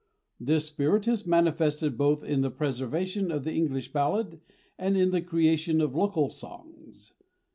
This spirit is manifested both in the preservation of the English ballad and in the creation of local songs.